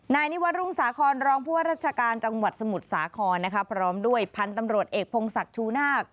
นายนิวัฒรุ่งสาคอนรองผู้ว่าราชการจังหวัดสมุทรสาครนะคะพร้อมด้วยพันธุ์ตำรวจเอกพงศักดิ์ชูนาค